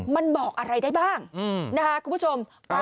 มันบอกอะไรได้บ้างคุณผู้ชมไปเลยค่ะ